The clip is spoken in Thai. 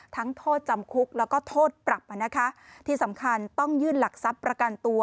โทษจำคุกแล้วก็โทษปรับนะคะที่สำคัญต้องยื่นหลักทรัพย์ประกันตัว